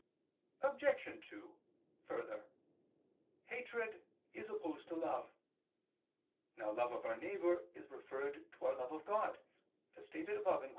Obj. 2: Further, hatred is opposed to love. Now love of our neighbor is referred to our love of God, as stated above (Q.